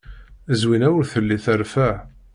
Zwina ur telli terfa.